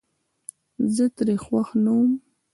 زه ترې خوښ نه ووم